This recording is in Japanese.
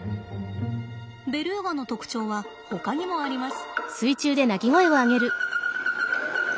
ベルーガの特徴はほかにもあります。